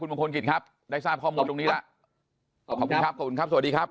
มงคลกิจครับได้ทราบข้อมูลตรงนี้แล้วขอบคุณครับขอบคุณครับสวัสดีครับ